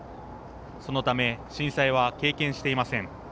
そのため震災は経験していません。